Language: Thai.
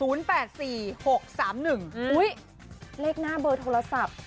เลขหน้าเบอร์โทรศัพท์